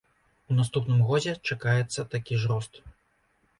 У наступным годзе чакаецца такі ж рост.